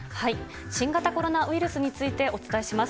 新型コロナウイルスについてお伝えします。